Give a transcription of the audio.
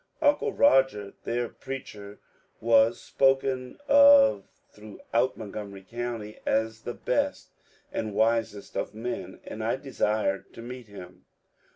^' Uncle Roger," their preacher, was spoken of throughout Montgomery County as the best and wisest of men, and I desired to meet him.